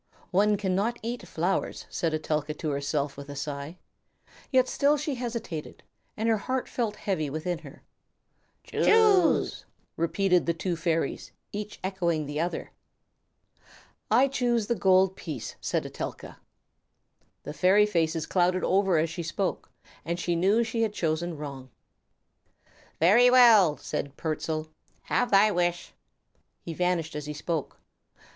"One cannot eat flowers," said Etelka to herself with a sigh; yet still she hesitated, and her heart felt heavy within her. "Choose," repeated the two fairies, each echoing the other. "I choose the gold piece," said Etelka. The fairy faces clouded over as she spoke, and she knew she had chosen wrong. "Very well," said Pertzal, "have thy wish." He vanished as he spoke.